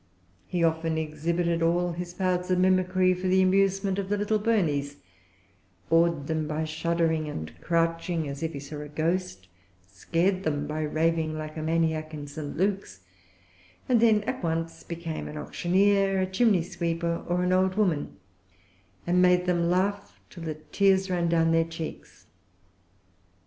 He often exhibited all his powers of mimicry for the amusement of the little Burneys, awed them by shuddering and crouching as if he saw a ghost, scared them by raving like a maniac in St. Luke's, and then at once became an auctioneer, a chimney sweeper, or an old woman, and made them laugh till the tears ran down their cheeks.